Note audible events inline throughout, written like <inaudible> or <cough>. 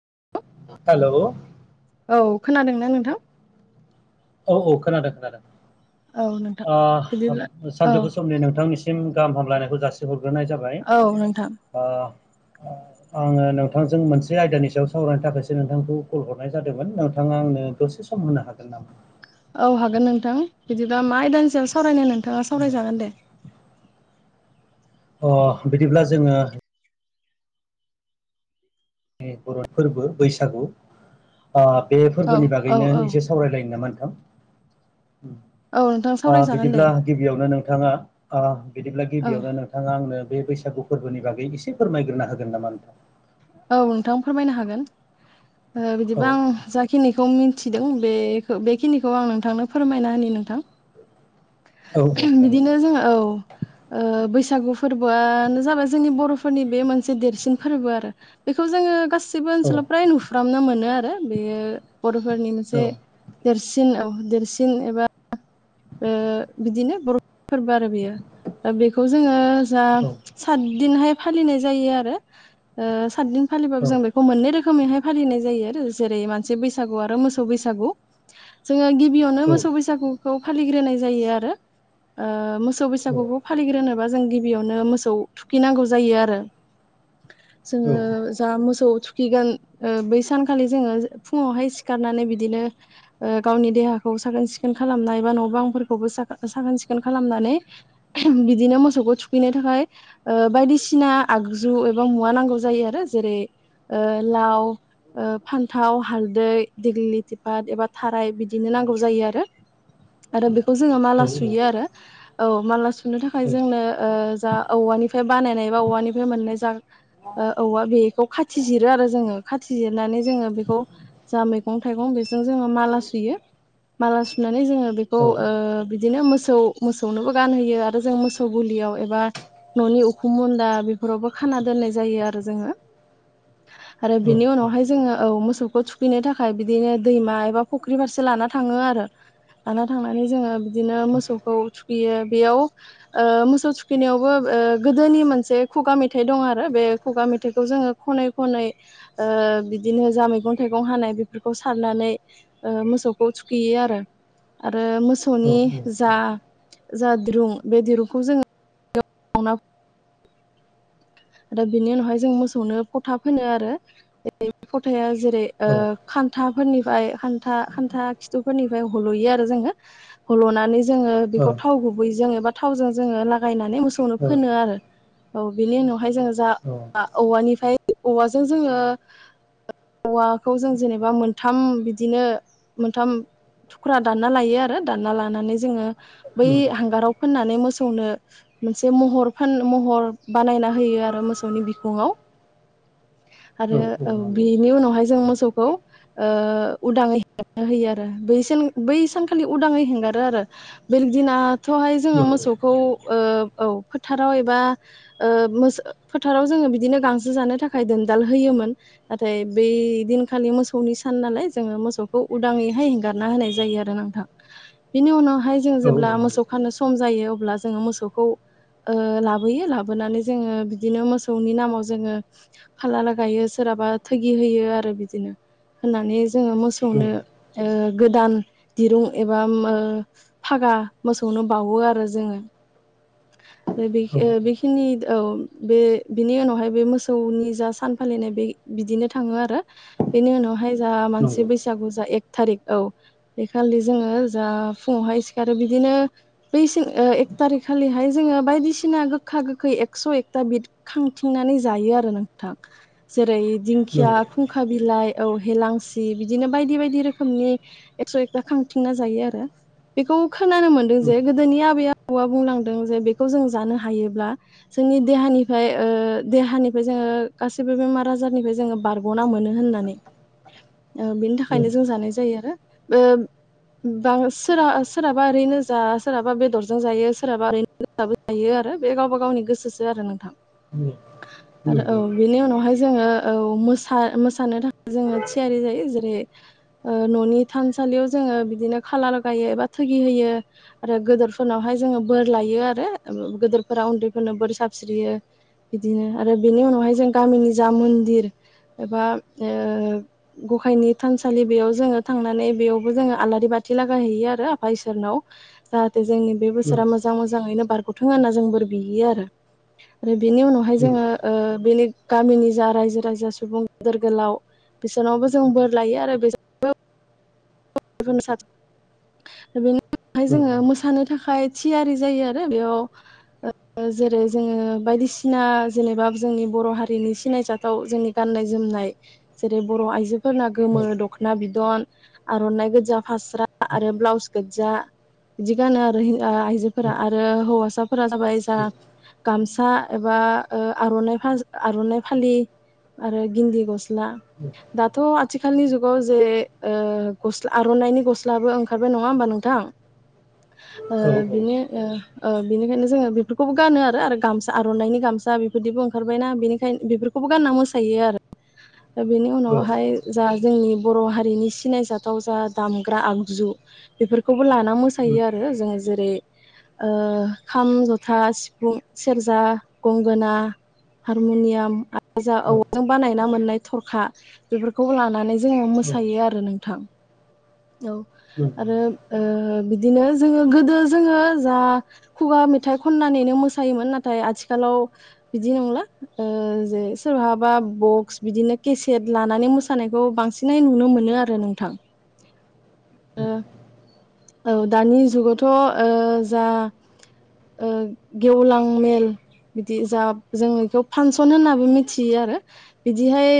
<inaudible> औ खोनादोंना नोंथां? औ औ खोनादों खोनादों औ नोंथां ओ बिदिब्ला औ सानजौफु समनि नोंथांनिसिम गाहाम हामलायनायखौ जासिहरग्रोनाय जाबाय औ नोंथां ओ आङो नोंथांजों मोनसे आयदानि सायाव सावरायनो थाखायसो नोंथांखौ कल हरनाय जादोंमोन नोंथाङा आंनोखौ दसे सम होनो हागोन नामा? औ हागोन नोंथां बिदिबा मा आयदानि सायाव सावरायनो नोंथाङा सावरायजागोन दे। अ बिदिब्ला जोङो जोंनि बर' फोरबो बैसागु ओ बे औ फोरबोनि औ बागैनो औ एसे सावरायलायनो नामा नोंथां? औ नोंथां ओ सावरायजागोन दे बिदिब्ला गिबियावनो नोंथाङा ओ बिदिब्ला औ गिबियावनो नोंथाङा आंनो बे बैसो बैसागु फोरबोनि बागै एसे फोरमायग्रोना होगोन नामा नोंथां? औ नोंथां फोरमायनो हागोन ओ औ बिदिबा आं जाखिनिखौ मिथि मिथिदों बे बेखिनिखौ आं नोंथांनो फोरमायना होनि नोंथां। औ औ बिदिनो थारैनो जोङो औ ओ बैसागु बैसागु फोरबोआनो जाबाय जोंनि बर'फोरनि बे मोनसे देरसिन फोरबो आरो बेखौ जोङो गासै गासैबो औ ओनसोलाव फ्राय नुफ्रामनो मोनो आरो बेयो बर'फोरनि औ मोनसे देरसिन ओ देरसिन एबा ओ बिदिनो बर' फोरबो आरो बेयो ओ बेखौ जोङो जा औ सातदिनहाय फालिनाय जायो आरो ओ सातदिन फालिबाबो जों बेखौ मोननै रोखोमै हाय फालिनाय जायो आरो जेरै मानसि बैसागु आरो मोसौ बैसागु। जोङो गिबियावनो मोसौ बैसागुखौ फालिग्रोनाय जायो आरो ओ मोसौ मोसौ बैसागुखौ फालिग्रोनोबा जों गिबियावनो मोसौ थुखैनांगौ जायो आरो। जोङो जा मोसौ थुखैगोन ओ बै सानखालि जोङो फुङावहाय सिखारनानै बिदिनो ओ गावनि देहाखौ साखोन सिखोन खालामनाय बा न' बां फोरखौबो साखोन सिखोन खालामनानै बिदिनो मोसौखौ थुखैनो थाखाय ओ बायदिसिना आगजु एबा मुवा नांगौ जायो आरो जेरै ओ लाव ओ फान्थाव हालदै दिग्लिलिटिफाट एबा थाराय बिदिनो नांगौ जायो आरो। आरो बेखौ जोङो माला सुयो आरो। औ माला सुनो थाखाय जोंनो ओ जा औवानिफ्राय बानायनाय बा औवानिफ्राय मोननाय जा ओ औवा बेखौ खाथि जिरो आरो जोङो खाथि जिरनानै जोङो बेखौ जा मैगं थाइगं बेजों जो माला सुयो। माला सुनानै जोङो बेखौ ओ बिदिनो मोसौ मोसौनोबो गानहोयो आरो जों मोसौ गलि आव एबा न'नि उखुम मुन्दा बेफोरावबो खाना दोननाय जायो आरो जोङो। आरो बिनि उनावहाय जोङो औ मोसौखौ थुखैनो थाखाय बिदिनो दैमा एबा फुख्रि फारसे ला लाना थाङो आरो लाना थांनानै जोङो बिदिनो मोसौखौ थुखैयो बेयाव ओ मोसौ थुखैनायावबो ओ गोदोनि मोनसे खुगा मेथाइ दं आरो बे खुगा मेथाइखौ जोङो खनै -खनै ओ बिदिनो जा मैगं थाइगं हानाय बेफोरखौ सारनानै ओ मोसौखौ थुखैयो आरो। आरो मासौनि जा- जा दिरुं बे दिरुंखौ जोङो आरो बेनि उनावहाय जों मोसौनो फोथा फोनो आरो फथाया जेरै ओ खान्थाफोरनिफ्राय खान्था- खान्था खिथुफोरनिफ्राय हल'यो आरो जोङो हल'नानै जोङो बेखौ थाव गुबै जों एबा थावजों जोङो लागायनानै मोसौनो फोनो आरो। औ बेनि उनावहाय जोङो जा औवानिफ्राय औवाजों जोङो औवाखौ जों जेनेबा मोनथाम बिदिनो मोनथाम थुख्रा दानना लायो आरो दानना लानानै जोङो बै हांगाराव फोननानै मोसौनो मोनसे महर फोन महर बानायना होयो आरो मोसौनि बिखुङाव आरो औ बेनि उनावहाय जों मोसौखौ ओ उदाङै हगारना होयो आरो बै -बै सानखालि उदाङै हेंगारो आरो बेगदिना थहाय जोङो मोसौखौ औ फोथाराव एबा ओ फोथाराव जोङो बिदिनो गांसो जानो थाखाय दोनदाल होयोमोन नाथाय बे दिनखालि मोसौ मोसौनि सान नालाय जोङो मोसौखौ उदाङैहाय हेंगारना होनाय जायो आरो नोंथां। बेनि उनाव बेहाया जों औ जेब्ला मोसौ खानो स सम जायो अब्ला जोङो मोसौखौ ओ लाबोयो लाबोनानै जोङो बिदिनो मोसौनि नामाव जोङो फाला लागायो सोरहाबा थगि होयो आरो बिदिनो । होननानै जोङो औ मोसौनो ओ गोदान दिरुं एबा मो फागा मोसौनो बावो आरो जोङो । ओ बि बेखिनिद औ बे बिनि उनावहाय बे मोसौनि जा सान फालिनाय बे बिदिनो थाङो आरो बेनि उनावहाय जा नंगौ औ नंगौ मानसि बैसागु जा थारिख औ बे खालि जोङो जा फुङावहाय सिखारो बिदिनो बै एक थारिख हिखालिहाय जोङो बायदिसिना गोखा-गोखै एकस' एकथा बिद खांथिंनानै जायो आरो नोंथां जेरै- दिंखिया, नंगौ औ खुंखा बिलाइ औ हेलांसि बिदिनो बायदि-बायदि रोखोमनि एकस' एकथा खांथिंना जायो आरो बेखौ खोनानो मोनदों औ जे गोदोनि आबै-आबौआव बुंलांदों जे बेखौ जों जानो हायोब्ला जोंनि देहानिफ्राय देहानिफ्राय जोङो गासैबो बेमार आजारनिफ्राय जोङो बारग'ना मोनो होननानै ओ बेनि थाखायनो जों जानाय जायो आरो ओब बा सोरा-सोरहाबा ओरैनो जा सोरहाबा बेदरजों जायो। सोरहाबा ओरैनो गोसाबो जायो आरो बे गावबा गावनि गोसोसो आरो नोंथां नंगौ आरो औ नंगौ नंगौ नंगौ बेनि उनावहाय जोङो। औ मोसानो थाखाय जोङो थियारि जायो जेरै- ओ न'नि थानसालियाव जोङो बिदिनो खालार गायो एबा थगि होयो आरो गेदेरफोरनावहाय जोङो बोर लायो आरो गेदेरफोरा उन्दैफोरनो बोर साबस्रियो। बिदिनो आरो बेनि उनावहाय जों गामिनि जा मन्दिर एबा ओ गखायनि थानसालि बेयाव जोङो थांनानै बेयावबो जोङो आलारि बाथ बाथि लागाय हैयै आरो आफा ईसोरनाव जाहाथे जोंनि बेरा नंगौ मफोरा मोजां मोजाङैनो बारग'थों होनना जों बोर बियो आरो बेनि उनावहाय जोङो नंगौ ओ बेलेग गामिनि जा रायजो राजा सुबुं गिदोर गोलाव बिसोरनावबो जों बोर लायो आरो बिसोर बेनि उनावहाय नंगौ नंगौ जोङो मोसानो थाखाय थियारि जायो आरो बेयाव ओ जेरै जोङो बायदिसिना जेनेबा जोंनि बर' हारिनि सिनायजाथाव जोंनि गामि गाननाय-जोमनाय जेरै बर' आइजोफोरना गोमो दखना बिदन आर'ननाइ गोजा फास्रा आरो ब्लाउस गोजा बिदि गानो आरो ओ-आइजोफोरा आरो हौवासाफोरा जाबाय जा गामि सा एबा ओ आर'नाइ आर'ना फालि आरो गिन्दि गस्ला दाथ' आथिखालनि जुगाव जे ओ गस्ला आर'नाइनि गस्लाबो ओंखारबाय नङा होमबा नोंथां? ओ औ औ बिनि ओ बेनिखायनो जों जोङो बेफोरखौबो गानो आरो गामसा आर'नाइनि गामसा बेफोरदिबो ओंखारबायना बेनिखायनो बेफोरखौबो गानना मोसायो। बेनि उनावहाय जा जोंनि बर' हारिनि सिनायजा थाव दामग्रा आगजु बेफोरखौबो लाना मोसायो आरो जोङो जेरै ओ खाम-जथा, सिफुं, सेरजा, गंगोना हारमुनिया आरो जा औ औवाजों बानायना मोननाय थरखा बेफोरखौ लानानै जोङो मो औ मोसायो आरो नोंथां औ आरो बिदिनो जोङो गोदो जोङो जा खुगा मेथाइ खननानैनो मोसायोमोन नाथाय आथिखालाव बिदि नंला जे सोरहाबा बक्स बिदिनो केसे लानानै मोसानायखौ बांसिनै नुनो मोनो आरो नोंथां। औ दानि जुगावथ' जा गेवलां मेल बिदि जा जोंङो बेखौ फांसन होनाबो मिथियो आरो बिदिहाय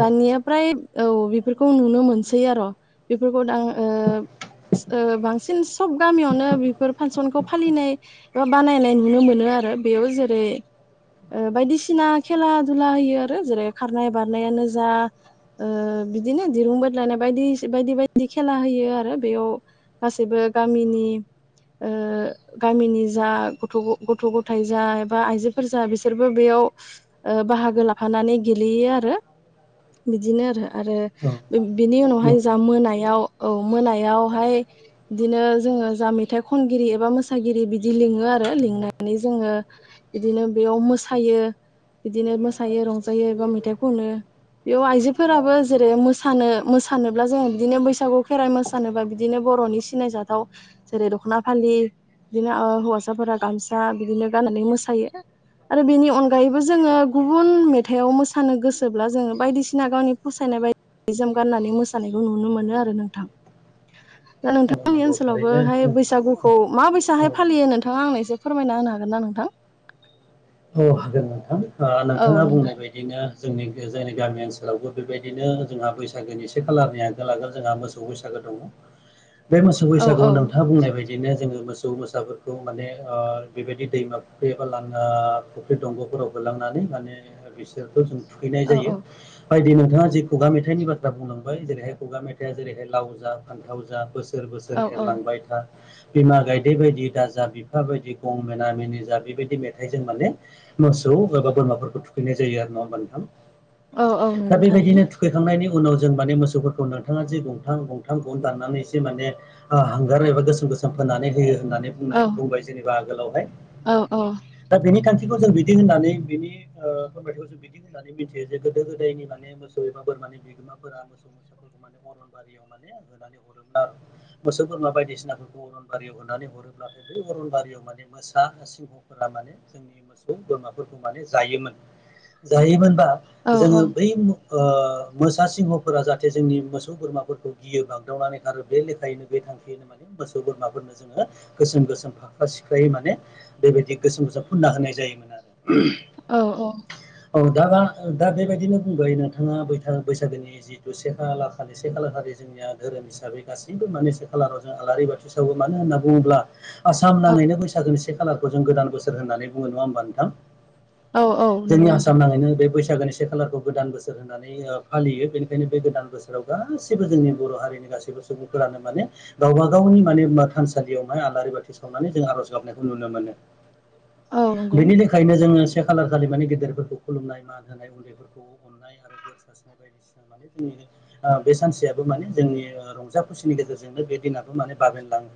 दानिया फ्राय औ बेफोरखौ नुनो मोनसै आरो' बेफोरखौ दा बांसिन सब गामियावनो बेफोर फांसनखौ फालिनाय बा बानायनाय नुनो मोनो। आरो बेयाव जेरै बायदिसिना खेला दुला होयो आरो जेरै खारनाय बारनायानो जा ओ बिदि नो दिरुं बायदि लाना बायदि बायदि बायदि खेला होयो आरो बेयाव गासैबो गामिनि गामिनि जा गथ गथ' गथायाइ जा बा आइजोफोर जा बिसोरबो बेयाव बाहागो लाफानानै गेलेयो आरो बिदिनो आरो आरो बिनि उनावहाय जा मोनायाव औ मोनायावहाय बिदिनो जोङो जा मेथाइ खनगिरि एबा मोसागिरि बिदि लिङो आरो लिंनानै जोङो बिदिनो बेयाव मोसायो बिदिनो मोसायो रंजायो बा मेथाइ खनो बेयाव आइजोफोराबो जेरै मोस मोसानो अब्ला जोङो बिदिनो बैसागु खेराइ मोसानोबा बिदिनो बर'नि सिनायजाथाव जेरै दख'ना फालि बिदिनो हौवासाफोरा गामसा बिदिनो गाननानै मोसायो आरो बेनि अनगायैबो जोङो गुबुन मेथाइआव मोसानो गोसोब्ला जोङो बायदिसिना गावनि फसायनाय बायदि जि जोम गाननानै मोसानायखौ नुनो मोनो आरो नोंथां दा नोंथांनि नंगौ ओनसोलावबो थारैनो हाय औ बैसागुखौ औ माबैसाहाय फालियो नोंथाङा आंनो एसे फोरमायना होनो हागोन ना नोंथां औ हागोन नोंथां औ नोंथाङा नोंथां बुंनाय बायदिनो जोंनि जोंनि गामि ओनसोलावबो बेबायदिनो जोंहा बैसागोनि एसे खालारनि आगोल आगोल जोंहा मोसौ बैसागो दङ बे मोसौ औ औ बैसागुआव नोंथाङा बुंनाय बायदिनो जोङो मोसौ मोसाफोरखौ माने बेबायदि दैमा फुखै एबा लाना फुख्रि दंग'फोराव हलांनानै माने बिसोरखौ जों थुखैनाय औ जायो औ बायदि नोंथाङा जि खगा मेथाइनि बाथ्रा बुंलांबाय जेरैहाय खुगा मेथाइआ जेरैहाय लाव जा फान्थाव जा बोसोर बोसोर औ बोसोर औ एरलांबाय था। बिमा गायदै बायदि दाजा बिफा बायदि गं मना मिेनि जा बेबायदि मेथाइजों माने मोसौ एबा बोरमाफोरखौ थुखैनाय जायो आरो नडा होनबा नोंथां औ औ दा नंगौ थारैनो बेबायदिनो थुखैखांनायनि उनाव जों माने मोसौफोरखौ नोंथाङा जि गथ गंथाम गन दाननानै माने हांगार एबा गोसोम गोसोम फो होनानै होयो होननानै औ बुंनाय बुंबाय जेनेबा आगोलावहाय औ औ दा बेनि जों बिदि होननानै बिनि फोरमायथायखौ जों बिदि होननानै मिथियो जे गोदो गोदायनि माने मोसौ एबा बोरमा मे बिगोमाफोरा मोसौ मोसाफोरखौ माने अरनबारियाव माने होनानै हरोमोन न आरो मोसौ बोरमा बायदिसिना बायसिनाफोरखौ अरनबारियाव होनानै हरोब्लाथ बै अरनबारियाव माने मोसा सिंहफोरा माने जोंनि मोसौ बोरमाफोरखौ माने जायोमोन जायोमोनबा औ जोङो बै मोसा सिंहफोरा जाहाथे जोंनि मोसौ बोरमाफोरखौ गियो बागदावनानै खारो बे लेखायैनो बे थांख माने मोसौ बोरमाफोरनो जोङो गोसोम गोसोम फाख्रा सिख्रायै माने बेबायदि गोसोम गोसोम हुना होनाय जायो औ औ औ दा दा बेबायदिनो बुंबाय नोंथाङा बैसागोनि जिथु से खालार खालि से खालार खालि जोंनि धोरोम हिसाबै गासैबो मान खालाराव जों आलारि बाथि सावो मानो होनना बुङोब्ला आसाम आाङैनो बैसागोननि एसे खालारखौ जों गोदान बोसोर होननानै बुो नङा होनोमबा नोंथां औ औ जोंनि नंगौ नोंथां आसाम नाङैनो बे बैसागोनि से खालारखौ गोदान बोसोर होननानै फालियो बेनिखायनो बे गोदान बोसोराव गाैबो जोंनि बर' हारिनि गासैबो सुबुंफोरानो माने गावबा गावनि माने थानसालियाव माय आलारि बाथि सावनानै जों आर'ज गाबनायखौ नुनो मोनो मोनो औ नंगौ बेनि लेखायनो जोङो बे खासा खालार खालि माने गेदेरफोरखौ खुलुमनाय मा होनाय उन्दैफोरखौ अननाय आरो बोर सारस्रिनाय बायदिसिना माने जोंनि बे सानसेयाबो माने जोंनि रंजा खुसिनि गेजेरजोंनो बे दिनाबो माने बाबेन लाङो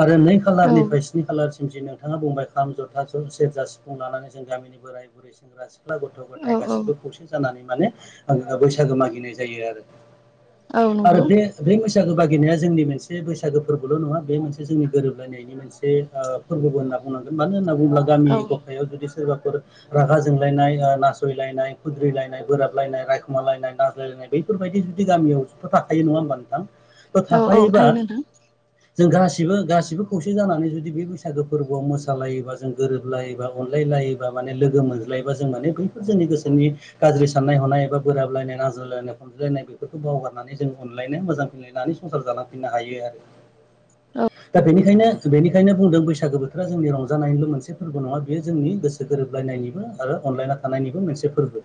आरो नै औ खालारनिफ्राय स्नि खालारसिम जि नोंथाङा बुंबाय खाम जथा ज सेरजा सिफुं लानानै जों गामिनि बोराय बुरै सेंग्रा सिख्ला गथ' गथाय औ औ गासिबो खौसे जानानै म बैसागो मागिनाय जायो औ आरो नंगौ बे मोसा बैसागो बागिनाया जोंनि मोनसे बैसागो फोरबोल' नङा बे मोनसे जोंनि गोरोबलायनायनि मोनसे फोरबो होननानै बुंनांगोन मानो होनना बुङोब्ला गामि औ गफायाव जुदि सोरबाफोर रागा जोंलायनाय नासयलायनाय खुद्रिलायनाय बोराब लायनाय रायखुमा लायनाय न्लायनाय बैफोरबायदि जुदि गामियावथ' थाखायो नङा होमबा नोंथां थ' औ औ थाखायोबा थायो नथां जों गासिबो गासिबो खौसे जानानै जुदि बे बैसागो फोरबोआव मोसालायोबा जों गोरोबलायोबा अनलाय लायोबा माने लोगो मोनजलायायोबा जों माने बैफोर जोंनि गोसोनि गाज्रि साननाय हनाय बा बोराबलायनाय नाजज्ललायनाय अनजायनाय बेफोरखौ बावगारनानै जों अनलाय मोजां‌ मनलायनानै संसार जालायनो हायो औ दानिायनो बेनिखायनो बुंदों बैसागो बोथोरा जोंनि रंजानायनिल' मोनसे मोनसे फोरबो नङा बेयो जोंनि गोसो गोरोबलायनायनिबो आरो अनलायना थानायनिबो मोनसे फोरबो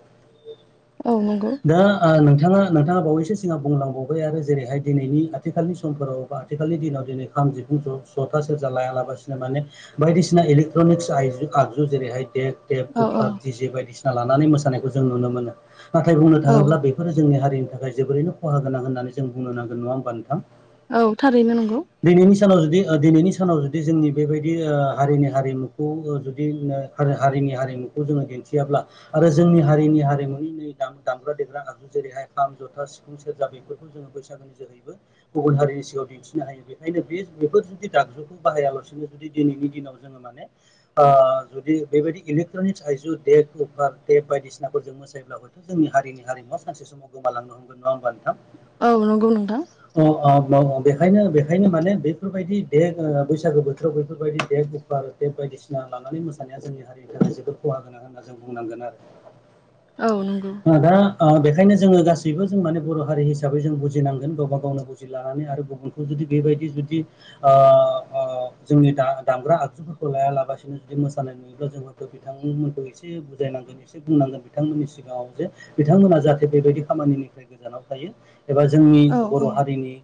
औ नंगौ दा आल नोंथांङा नोंथाङा बावैसो सिाङां बुंलांबावबाय आरो जेरैहाय दिनैनि आथिखालनि समफोराव बा आथिखालनि दिनाव दिनै जिखुनथ सथ लायालासिनो माने बायदिसिना इलेक्ट्रनिक्स आ आगजु जेरैहाय दे देब औ औ कुफार दिजे बायदिसिना लानानै मोसानायखौ जों नुनो मोनो नाथाय बुंनो औ थाङोब्ला बेफोरो जोंनि हारिनि थाखाय जोबोरैनो खहा गोनां होननानै जों बुंनो नांगोन नङा होमबा नोंथां औ थारैनो नंगौ दिनैनि सानाव जुदि दिनैनि सानाव जुदि जोंनि बेबायदि हारिनि हारिमु जुदि हारिनि हारिमुखौ जोङो दिन्थियाब्ला आरो जोंनि हारिनि हारिमुनि नै दामग्रा देग्रा आगजु जेरैहाय खाम जथा सिफुं सेरजा बेफोरखौ जोङो बैसागुनि जोहैबो गुबुन हारि नि सिाव दिन्थिनो हायो बेखायनो बे बेफोर जुदि दामजुखौ बाहायालासेनो जुदि दिनैनि दिनाव जोङो माने जुदि बेबायदि इलेक्ट्रनिक्स आयजु देक अभार तेप बायदिसिनाखौ जों मोसायोब्ला हय' जोंनिारिनिारिमुव सानसे समाव गोमालांनो हगोन नङा होनबाोंथां औ नंगौ नोंदां माव बेखायनो बेखायनो माने बेफोरबायदि देग बैसागो बोथोराव बेफोरबायदि देग गुफार बे बायदिसिना लानानै मोसानाया जोंनि हारिनि थाखाय जोबोद खहा गोनां होनना जों बुंनांगोन आरो औ नंगौ ओ दा बेखायनो जोङो गासैबो जों माने बर' हारि हिसाबै जों बुजिनांगोन गावबा गावनो बुजिलानानै आरो गुबुनखौ जुदि बेबायदि जुदि जोंनि दामग्रा आगजु खौ लाया लालासिनो जुदि मोसानाय नुयोब्ला जों बिथांमोनखौ एसे बुजायनांगोन एसे बुंनांगोन बिथांमोननिसिम सिगाङाव जे बिथांमोना जाहाथे बेबायदि खामानिनिफ्राय गोजानाव थायो एबा जोंनि औ बर' औ हारिनि